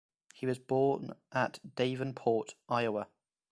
He was born at Davenport, Iowa.